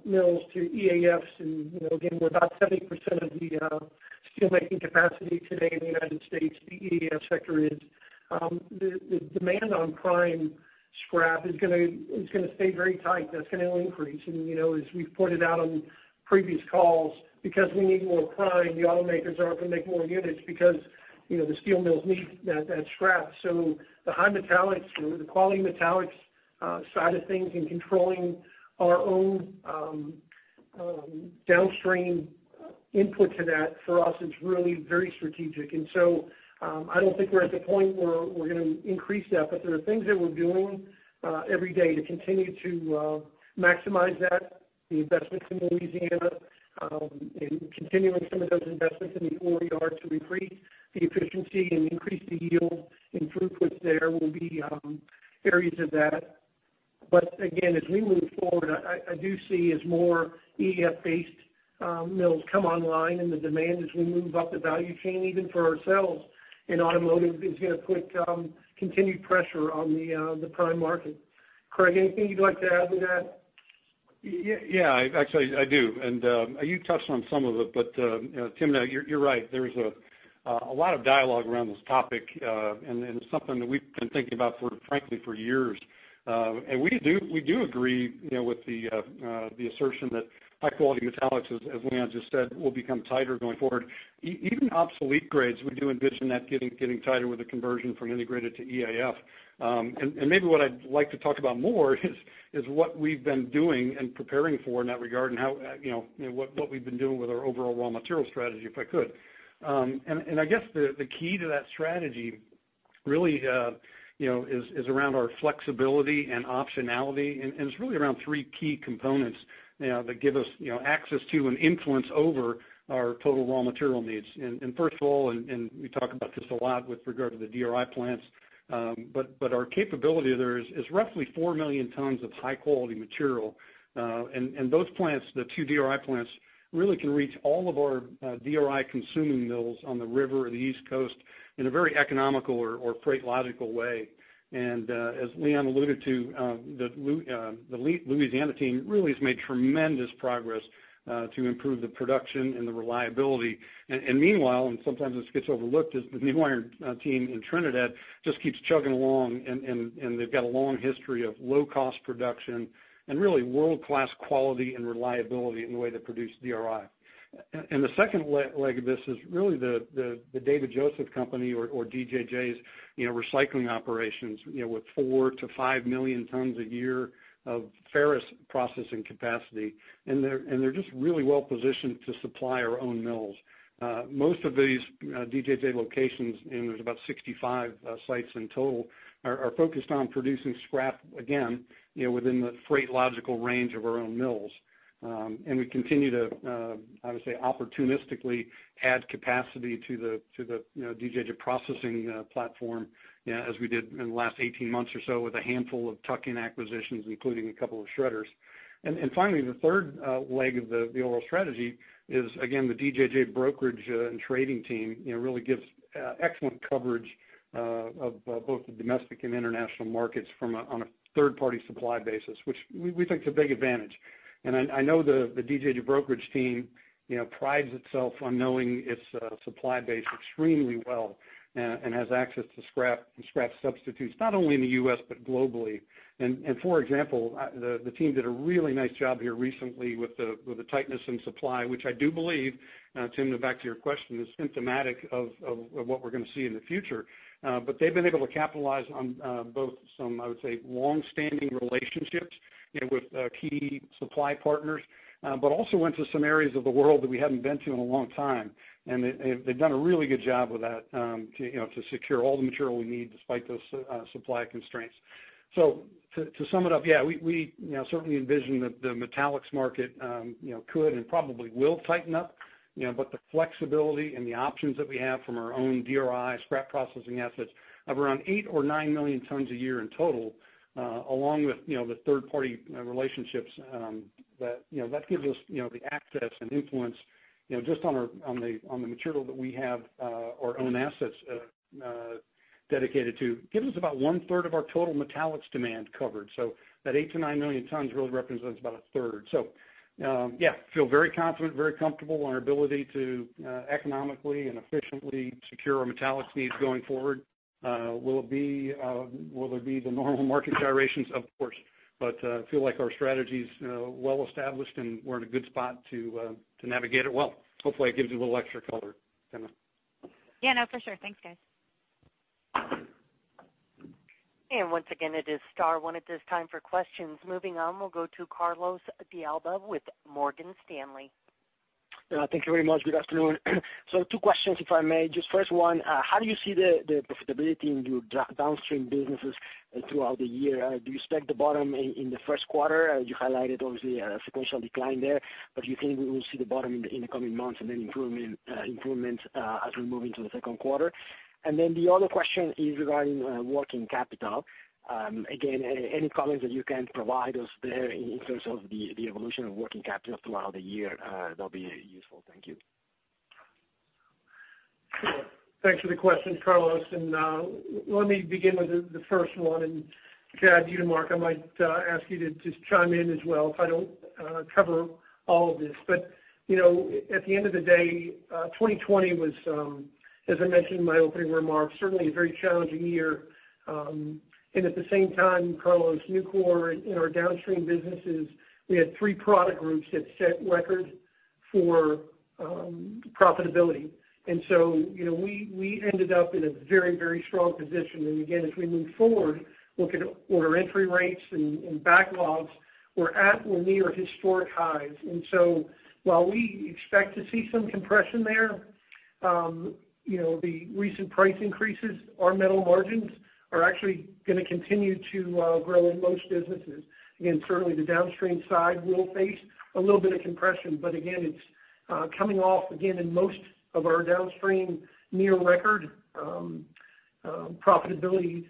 mills to EAFs, again, we're about 70% of the steelmaking capacity today in the U.S., the EAF sector is. The demand on prime scrap is going to stay very tight. That's going to increase. As we pointed out on previous calls, because we need more prime, the automakers aren't going to make more units because the steel mills need that scrap. The high metallics or the quality metallics side of things and controlling our own downstream input to that for us is really very strategic. I don't think we're at the point where we're going to increase that. There are things that we're doing every day to continue to maximize that, the investments in Nucor Steel Louisiana, and continuing some of those investments in the ore yard to increase the efficiency and increase the yield in throughputs there will be areas of that. Again, as we move forward, I do see as more EAF-based mills come online and the demand as we move up the value chain, even for ourselves in automotive, is going to put continued pressure on the prime market. Craig, anything you'd like to add to that? Yeah, actually, I do. You touched on some of it, but Timna, you're right. There's a lot of dialogue around this topic, and it's something that we've been thinking about, frankly, for years. We do agree with the assertion that high-quality metallics, as Leon just said, will become tighter going forward. Even obsolete grades, we do envision that getting tighter with the conversion from integrated to EAF. Maybe what I'd like to talk about more is what we've been doing and preparing for in that regard and what we've been doing with our overall raw material strategy, if I could. I guess the key to that strategy really is around our flexibility and optionality, and it's really around three key components that give us access to and influence over our total raw material needs. First of all, we talk about this a lot with regard to the DRI plants, but our capability there is roughly 4 million tons of high-quality material. Those plants, the two DRI plants, really can reach all of our DRI-consuming mills on the river or the East Coast in a very economical or freight logical way. As Leon alluded to, the Louisiana team really has made tremendous progress to improve the production and the reliability. Meanwhile, sometimes this gets overlooked, is the new iron team in Trinidad just keeps chugging along, and they've got a long history of low-cost production and really world-class quality and reliability in the way they produce DRI. The second leg of this is really the David J. Joseph Company or DJJ's recycling operations with 4 million-5 million tons a year of ferrous processing capacity. They're just really well-positioned to supply our own mills. Most of these DJJ locations, and there are about 65 sites in total, are focused on producing scrap, again, within the freight logical range of our own mills. We continue to, I would say, opportunistically add capacity to the DJJ processing platform, as we did in the last 18 months or so with a handful of tuck-in acquisitions, including a couple of shredders. Finally, the third leg of the overall strategy is, again, the DJJ brokerage and trading team really gives excellent coverage of both the domestic and international markets on a third-party supply basis, which we think is a big advantage. I know the DJJ brokerage team prides itself on knowing its supply base extremely well and has access to scrap substitutes, not only in the U.S., but globally. For example, the team did a really nice job here recently with the tightness in supply, which I do believe, Timna, back to your question, is symptomatic of what we're going to see in the future. They've been able to capitalize on both some, I would say, long-standing relationships with key supply partners. Also went to some areas of the world that we haven't been to in a long time, and they've done a really good job with that to secure all the material we need despite those supply constraints. To sum it up, yeah, we certainly envision that the metallics market could and probably will tighten up. The flexibility and the options that we have from our own DRI scrap processing assets of around 8 or 9 million tons a year in total, along with the third-party relationships, that gives us the access and influence just on the material that we have our own assets dedicated to. Gives us about one-third of our total metallics demand covered. That eight to nine million tons really represents about a third. Yeah, feel very confident, very comfortable in our ability to economically and efficiently secure our metallics needs going forward. Will there be the normal market gyrations? Of course. I feel like our strategy is well established, and we're in a good spot to navigate it well. Hopefully, it gives you a little extra color, Timna. Yeah. No, for sure. Thanks, guys. Once again, it is star one at this time for questions. Moving on, we'll go to Carlos de Alba with Morgan Stanley. Thank you very much. Good afternoon. Two questions, if I may. Just first one, how do you see the profitability in your downstream businesses throughout the year? Do you expect the bottom in the first quarter? You highlighted, obviously, a sequential decline there, but do you think we will see the bottom in the coming months and then improvement as we move into the second quarter? The other question is regarding working capital. Again, any comments that you can provide us there in terms of the evolution of working capital throughout the year, that'll be useful. Thank you. Sure. Thanks for the question, Carlos. Let me begin with the first one. Chad Utermark, I might ask you to just chime in as well if I don't cover all of this. At the end of the day, 2020 was, as I mentioned in my opening remarks, certainly a very challenging year. At the same time, Carlos, Nucor, in our downstream businesses, we had three product groups that set records for profitability. We ended up in a very strong position. Again, as we move forward, look at order entry rates and backlogs. We're at or near historic highs. While we expect to see some compression there, the recent price increases, our metal margins are actually going to continue to grow in most businesses. Again, certainly the downstream side will face a little bit of compression, but again, it's coming off again in most of our downstream near record profitability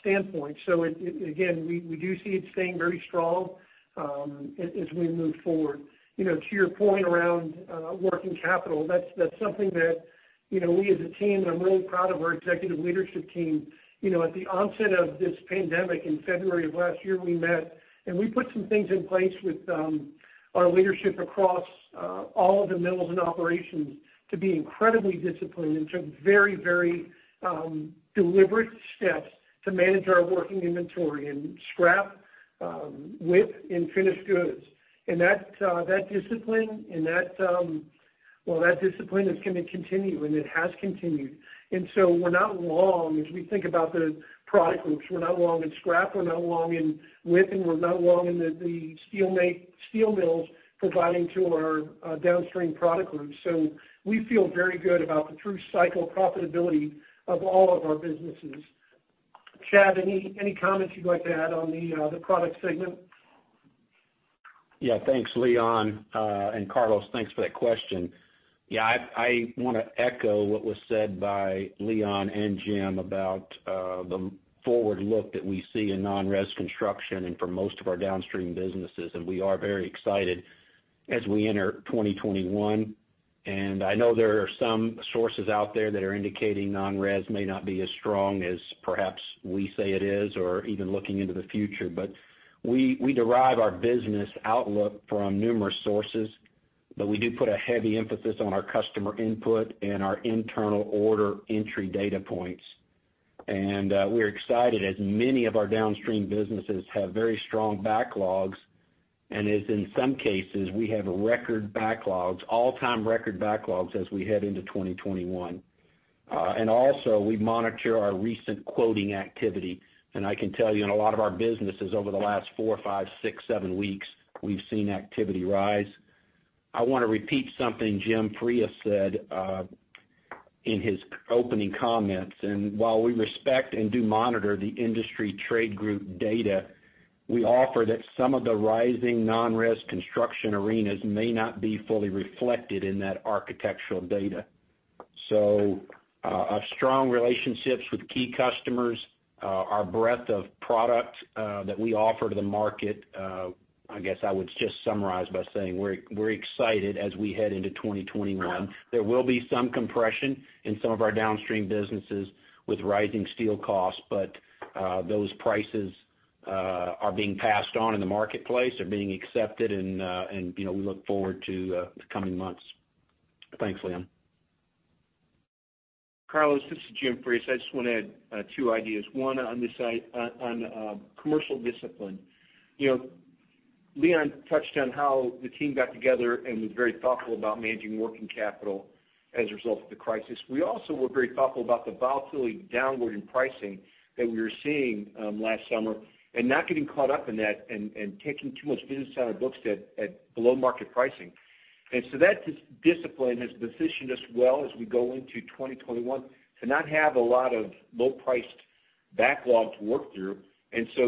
standpoint. Again, we do see it staying very strong as we move forward. To your point around working capital, that's something that we as a team, and I'm really proud of our executive leadership team. At the onset of this pandemic in February of last year, we met, and we put some things in place with our leadership across all of the mills and operations to be incredibly disciplined and took very deliberate steps to manage our working inventory and scrap WIP in finished goods. That discipline is going to continue, and it has continued. We're not long as we think about the product groups. We're not long in scrap, we're not long in WIP, and we're not long in the steel mills providing to our downstream product groups. We feel very good about the true cycle profitability of all of our businesses. Chad, any comments you'd like to add on the product segment? Thanks, Leon. Carlos, thanks for that question. I want to echo what was said by Leon and Jim about the forward look that we see in non-res construction and for most of our downstream businesses. We are very excited as we enter 2021. I know there are some sources out there that are indicating non-res may not be as strong as perhaps we say it is, or even looking into the future. We derive our business outlook from numerous sources, but we do put a heavy emphasis on our customer input and our internal order entry data points. We're excited as many of our downstream businesses have very strong backlogs, and as in some cases, we have record backlogs, all-time record backlogs as we head into 2021. Also we monitor our recent quoting activity. I can tell you in a lot of our businesses over the last four, five, six, seven weeks, we've seen activity rise. I want to repeat something Jim Frias said in his opening comments. While we respect and do monitor the industry trade group data, we offer that some of the rising non-res construction arenas may not be fully reflected in that architectural data. Our strong relationships with key customers, our breadth of product that we offer to the market, I guess I would just summarize by saying we're excited as we head into 2021. There will be some compression in some of our downstream businesses with rising steel costs. Those prices are being passed on in the marketplace, are being accepted, and we look forward to the coming months. Thanks, Leon. Carlos, this is Jim Frias. I just want to add two ideas. One on commercial discipline. Leon touched on how the team got together and was very thoughtful about managing working capital as a result of the crisis. We also were very thoughtful about the volatility downward in pricing that we were seeing last summer and not getting caught up in that and taking too much business out of books at below-market pricing. That discipline has positioned us well as we go into 2021 to not have a lot of low-priced backlog to work through.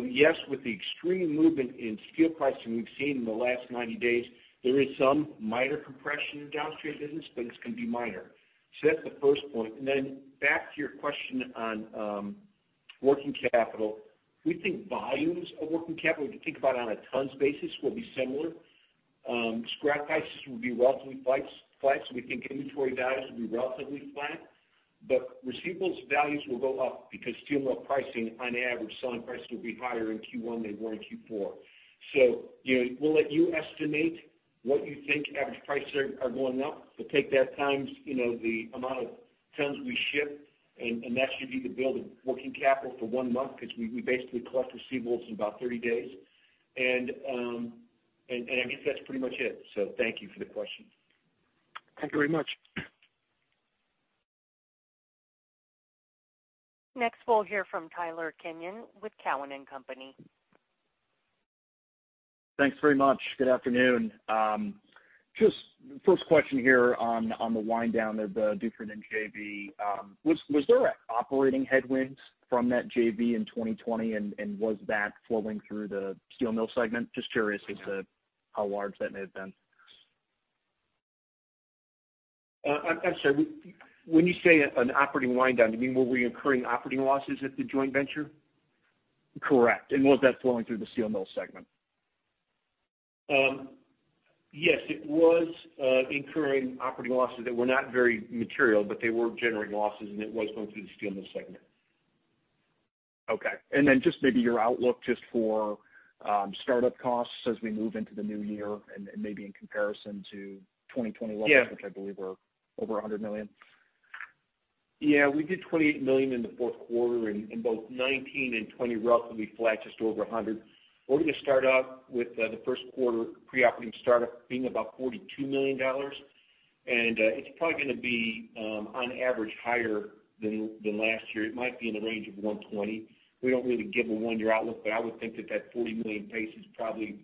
Yes, with the extreme movement in steel pricing we've seen in the last 90 days, there is some minor compression in downstream business, but it's going to be minor. That's the first point. Back to your question on working capital. We think volumes of working capital, if you think about it on a tons basis, will be similar. Scrap prices will be relatively flat, so we think inventory values will be relatively flat. Receivables values will go up because steel mill pricing, on average, selling prices will be higher in Q1 than they were in Q4. We'll let you estimate what you think average prices are going up, but take that times the amount of tons we ship, and that should be the bill to working capital for one month because we basically collect receivables in about 30 days. I guess that's pretty much it. Thank you for the question. Thank you very much. Next, we'll hear from Tyler Kenyon with Cowen and Company. Thanks very much. Good afternoon. Just first question here on the wind down of the Duferdofin JV. Was there operating headwinds from that JV in 2020, and was that flowing through the steel mill segment? Just curious as to how large that may have been. I'm sorry. When you say an operating wind down, you mean were we incurring operating losses at the joint venture? Correct. Was that flowing through the steel mill segment? Yes. It was incurring operating losses that were not very material, but they were generating losses, and it was going through the steel mill segment. Okay. Then just maybe your outlook just for startup costs as we move into the new year and maybe in comparison to 2020 levels? Yeah which I believe were over $100 million. Yeah. We did $28 million in the fourth quarter. Both 2019 and 2020, relatively flat, just over $100. We're going to start out with the first quarter pre-operating startup being about $42 million. It's probably going to be on average higher than last year. It might be in the range of $120. We don't really give a one-year outlook. I would think that $40 million pace is probably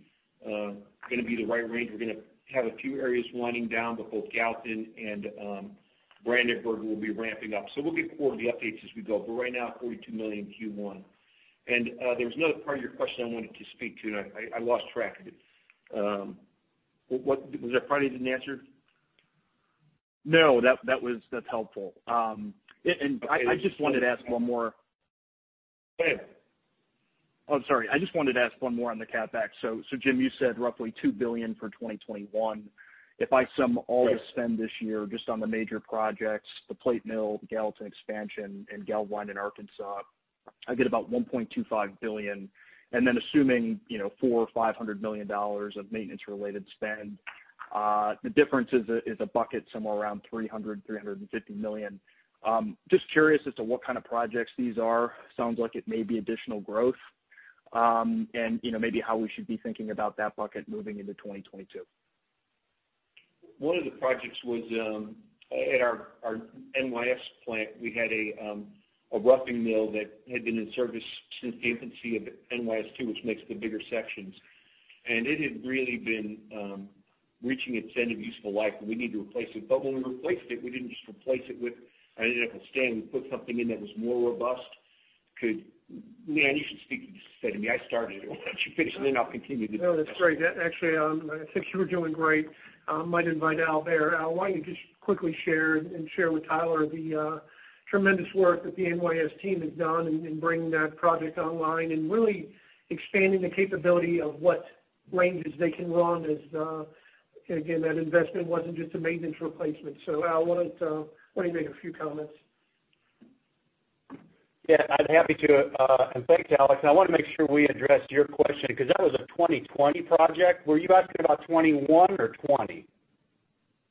going to be the right range. We're going to have a few areas winding down, both Gallatin and Brandenburg will be ramping up. We'll give forward the updates as we go, but right now, $42 million Q1. There was another part of your question I wanted to speak to, and I lost track of it. Was there a part I didn't answer? No, that's helpful. I just wanted to ask one more. Go ahead. Oh, sorry. I just wanted to ask one more on the CapEx. Jim, you said roughly $2 billion for 2021. The spend this year just on the major projects, the plate mill, the Gallatin expansion, and galv line in Arkansas, I get about $1.25 billion. Assuming $400 million or $500 million of maintenance-related spend, the difference is a bucket somewhere around $300 million-$350 million. Just curious as to what kind of projects these are. Sounds like it may be additional growth. Maybe how we should be thinking about that bucket moving into 2022. One of the projects was at our NYS plant. We had a roughing mill that had been in service since the infancy of NYS 2, which makes the bigger sections. It had really been reaching its end of useful life, and we need to replace it. When we replaced it, we didn't just replace it with an identical stand. We put something in that was more robust. Could Leon, you should speak to this. I started it. Why don't you finish. No, that's great. Actually, I think you were doing great. Might invite Al there. Al, why don't you just quickly share and share with Tyler the tremendous work that the NYS team has done in bringing that project online and really expanding the capability of what ranges they can run as, again, that investment wasn't just a maintenance replacement. Al, why don't you make a few comments? Yeah, I'm happy to. Thanks, Alex. I want to make sure we address your question because that was a 2020 project. Were you asking about 2021 or 2020?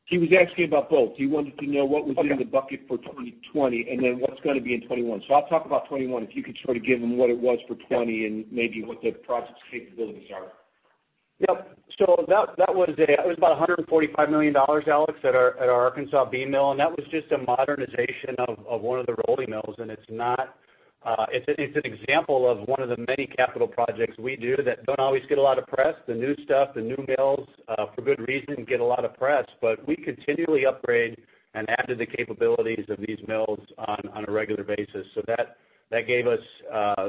He was asking about both. He wanted to know what was in the bucket for 2020, what's going to be in 2021. I'll talk about 2021, if you could sort of give him what it was for 2020 and maybe what the project's capabilities are. Yep. That was about $145 million, Alex, at our Arkansas beam mill. That was just a modernization of one of the rolling mills. It's an example of one of the many capital projects we do that don't always get a lot of press. The new stuff, the new mills, for good reason, get a lot of press. We continually upgrade and add to the capabilities of these mills on a regular basis. That gave us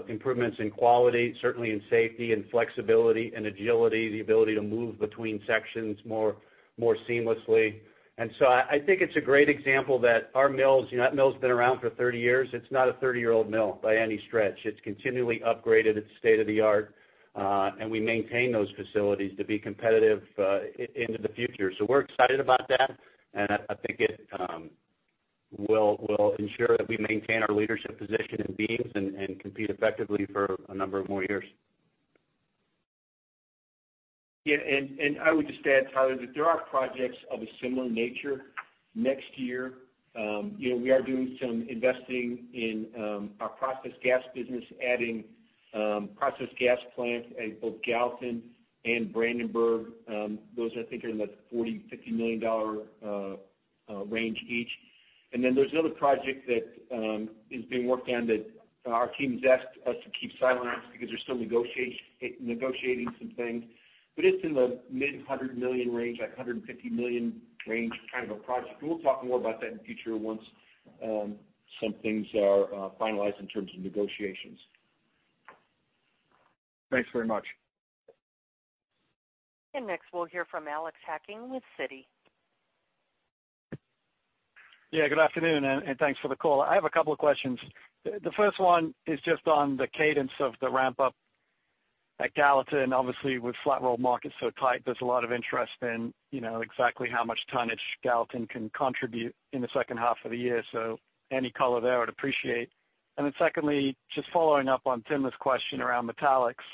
improvements in quality, certainly in safety and flexibility and agility, the ability to move between sections more seamlessly. I think it's a great example that our mills, that mill's been around for 30 years. It's not a 30-year-old mill by any stretch. It's continually upgraded. It's state-of-the-art. We maintain those facilities to be competitive into the future. We're excited about that, and I think it will ensure that we maintain our leadership position in beams and compete effectively for a number of more years. I would just add, Tyler, that there are projects of a similar nature next year. We are doing some investing in our processed gas business, adding processed gas plants at both Gallatin and Brandenburg. Those, I think, are in the $40 million, $50 million range each. There's another project that is being worked on that our team has asked us to keep silent on because they're still negotiating some things. It's in the mid-$100 million range, like $150 million range kind of a project. We'll talk more about that in the future once some things are finalized in terms of negotiations. Thanks very much. Next, we'll hear from Alex Hacking with Citi. Yeah, good afternoon, and thanks for the call. I have a couple of questions. The first one is just on the cadence of the ramp-up at Gallatin. Obviously, with flat roll markets so tight, there's a lot of interest in exactly how much tonnage Gallatin can contribute in the second half of the year. Any color there, I would appreciate. Secondly, just following up on Tim's question around metallics.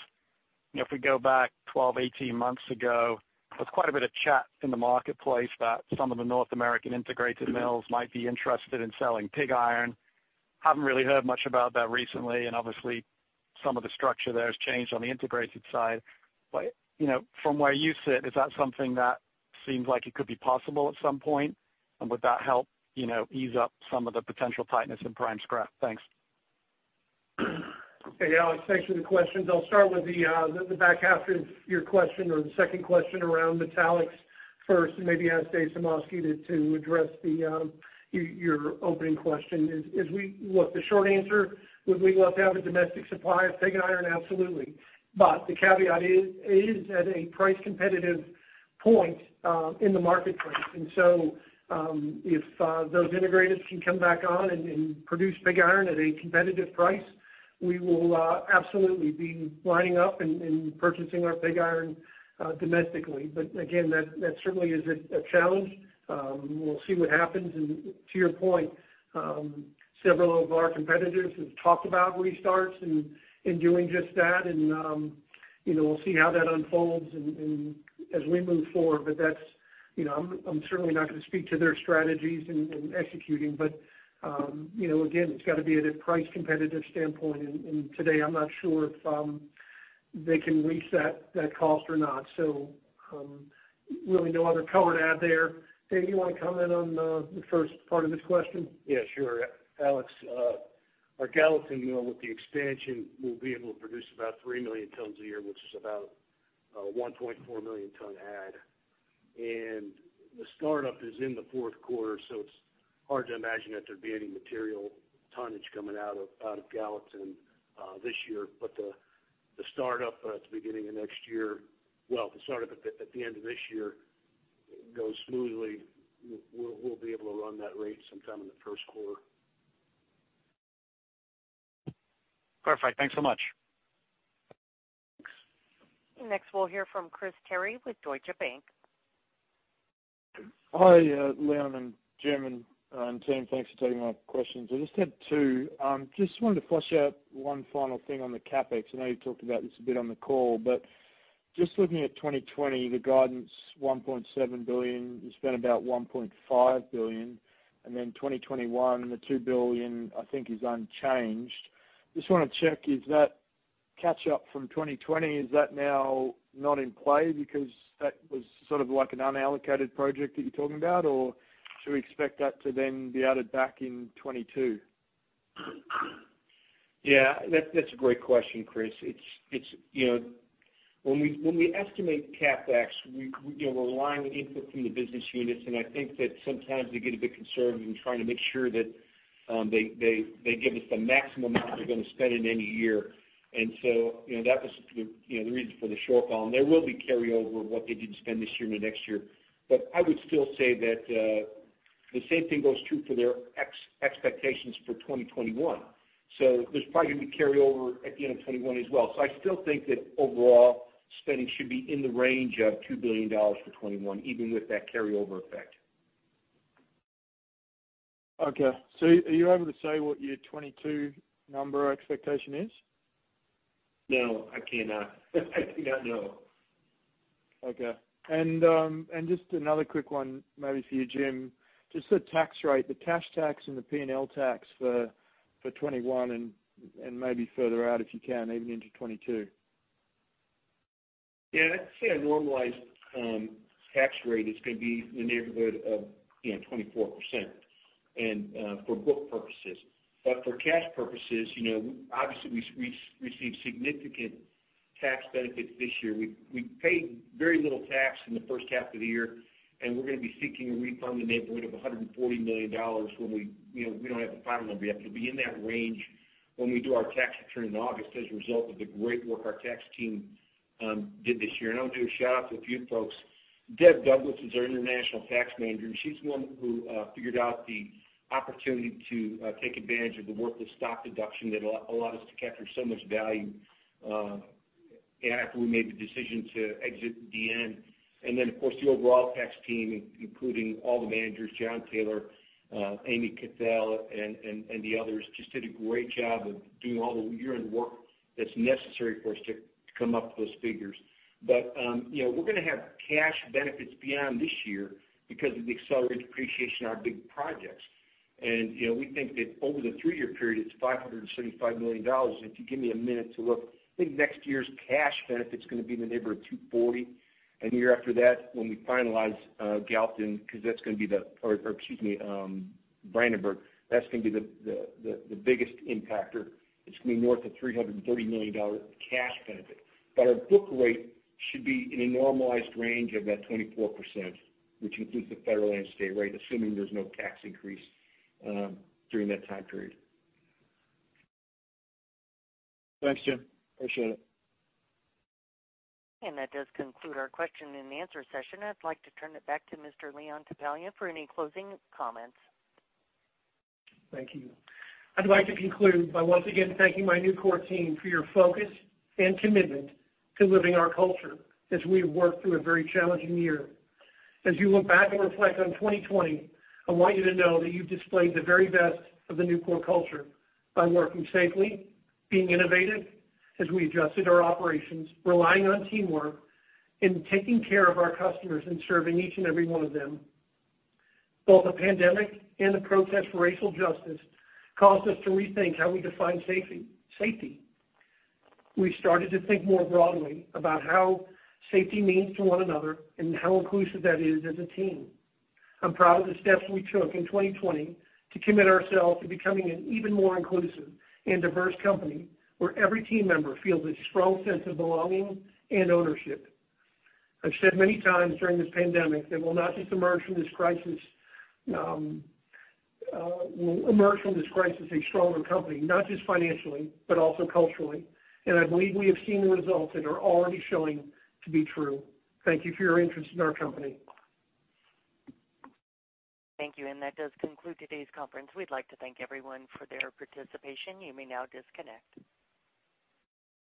If we go back 12, 18 months ago, there was quite a bit of chat in the marketplace that some of the North American integrated mills might be interested in selling pig iron. Haven't really heard much about that recently, and obviously, some of the structure there has changed on the integrated side. From where you sit, is that something that seems like it could be possible at some point? Would that help ease up some of the potential tightness in prime scrap? Thanks. Hey, Alex, thanks for the questions. I'll start with the back half of your question or the second question around metallics first. Maybe ask Dave Sumoski to address your opening question. Look, the short answer, would we love to have a domestic supply of pig iron? Absolutely. The caveat is at a price-competitive point in the marketplace. If those integrated can come back on and produce pig iron at a competitive price, we will absolutely be lining up and purchasing our pig iron domestically. Again, that certainly is a challenge. We'll see what happens. To your point, several of our competitors have talked about restarts and doing just that, and we'll see how that unfolds and as we move forward. I'm certainly not going to speak to their strategies in executing. Again, it's got to be at a price-competitive standpoint. Today, I'm not sure if they can reach that cost or not. Really no other color to add there. Dave, you want to comment on the first part of this question? Yeah, sure. Alex, our Gallatin mill with the expansion will be able to produce about 3 million tons a year, which is about a 1.4 million ton add. The startup is in the fourth quarter, it's hard to imagine that there'd be any material tonnage coming out of Gallatin this year. The startup at the end of this year goes smoothly, we'll be able to run that rate sometime in the first quarter. Perfect. Thanks so much. Thanks. Next, we'll hear from Chris Terry with Deutsche Bank. Hi, Leon and Jim and team. Thanks for taking my questions. I just have two. Just wanted to flush out one final thing on the CapEx. I know you talked about this a bit on the call. Just looking at 2020, the guidance, $1.7 billion. You spent about $1.5 billion. 2021, the $2 billion, I think, is unchanged. Just want to check, is that catch up from 2020, is that now not in play because that was sort of like an unallocated project that you're talking about? Should we expect that to then be added back in 2022? Yeah. That's a great question, Chris. When we estimate CapEx, we're relying on input from the business units, and I think that sometimes they get a bit conservative in trying to make sure that they give us the maximum amount they're going to spend in any year. That was the reason for the shortfall. There will be carryover of what they didn't spend this year into next year. I would still say that the same thing goes true for their expectations for 2021. There's probably going to be carryover at the end of 2021 as well. I still think that overall spending should be in the range of $2 billion for 2021, even with that carryover effect. Okay. Are you able to say what your 2022 number expectation is? No, I cannot. I do not know. Okay. Just another quick one, maybe for you, Jim, just the tax rate, the cash tax and the P&L tax for 2021 and maybe further out, if you can, even into 2022? Yeah. I'd say our normalized tax rate is going to be in the neighborhood of 24%, and for book purposes. For cash purposes, obviously, we received significant tax benefits this year. We paid very little tax in the first half of the year, and we're going to be seeking a refund in the neighborhood of $140 million. We don't have the final number yet, but be in that range when we do our tax return in August as a result of the great work our tax team did this year. I want to do a shout-out to a few folks. Deb Douglas is our international tax manager, and she's the one who figured out the opportunity to take advantage of the worthless stock deduction that allowed us to capture so much value after we made the decision to exit DN. Then, of course, the overall tax team, including all the managers, John Taylor, Amy Cathell, and the others, just did a great job of doing all the year-end work that's necessary for us to come up with those figures. We're going to have cash benefits beyond this year because of the accelerated depreciation on our big projects. We think that over the three-year period, it's $575 million. If you give me a minute to look, I think next year's cash benefit's going to be in the neighborhood of $240 million. The year after that when we finalize Gallatin, or excuse me, Brandenburg, that's going to be the biggest impactor. It's going to be north of $330 million cash benefit. Our book rate should be in a normalized range of that 24%, which includes the federal and state rate, assuming there's no tax increase during that time period. Thanks, Jim. Appreciate it. That does conclude our question-and-answer session. I'd like to turn it back to Mr. Leon Topalian for any closing comments. Thank you. I'd like to conclude by once again thanking my Nucor team for your focus and commitment to living our culture as we have worked through a very challenging year. As you look back and reflect on 2020, I want you to know that you've displayed the very best of the Nucor culture by working safely, being innovative as we adjusted our operations, relying on teamwork, and taking care of our customers and serving each and every one of them. Both the pandemic and the protest for racial justice caused us to rethink how we define safety. We started to think more broadly about how safety means to one another and how inclusive that is as a team. I'm proud of the steps we took in 2020 to commit ourselves to becoming an even more inclusive and diverse company where every team member feels a strong sense of belonging and ownership. I've said many times during this pandemic that we'll emerge from this crisis a stronger company, not just financially, but also culturally. I believe we have seen the results that are already showing to be true. Thank you for your interest in our company. Thank you. That does conclude today's conference. We'd like to thank everyone for their participation. You may now disconnect.